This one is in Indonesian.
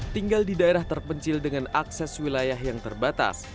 tinggal di daerah terpencil dengan akses wilayah yang terbatas